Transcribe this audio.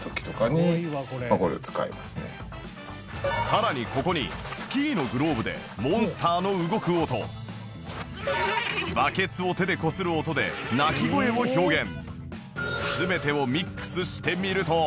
さらにここにスキーのグローブでモンスターの動く音バケツを手でこする音で鳴き声を表現